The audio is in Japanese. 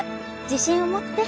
自信を持って。